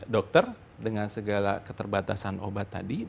dokter dengan segala keterbatasan obat tadi